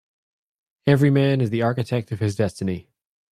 Every man is the architect of his destiny.